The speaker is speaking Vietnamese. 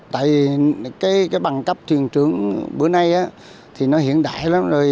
tại cái bằng cấp truyền trưởng bữa nay thì nó hiện đại lắm rồi